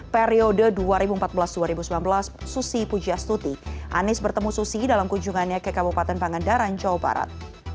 periode dua ribu empat belas dua ribu sembilan belas susi pujiastuti anies bertemu susi dalam kunjungannya ke kabupaten pangandaran jawa barat